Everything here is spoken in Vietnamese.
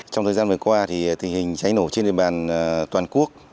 trong thời gian vừa qua tình hình cháy nổ trên địa bàn toàn quốc